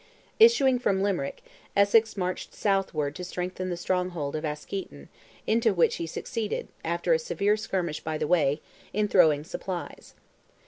Issuing from Limerick, Essex marched southward to strengthen the stronghold of Askeaton, into which he succeeded, after a severe skirmish by the way, in throwing supplies.